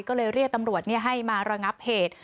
ก็เลยเรียกตำรวจให้มาระงับเหตุ